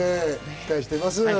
期待しています。